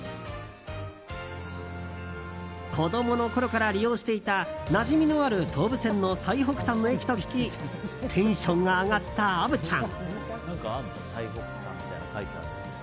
子供のころから利用していたなじみのある東武線の最北端の駅と聞きテンションが上がった虻ちゃん。